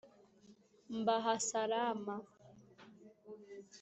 Mbaha " Salama "!